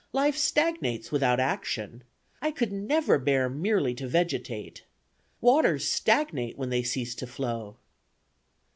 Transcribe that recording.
Life stagnates without action. I could never bear merely to vegetate; Waters stagnate when they cease to flow."